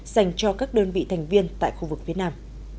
dành cho các đơn vị thành viên tại khu vực việt nam